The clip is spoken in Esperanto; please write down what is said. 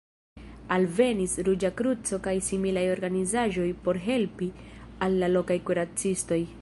Alvenis Ruĝa Kruco kaj similaj organizaĵoj por helpi al la lokaj kuracistoj.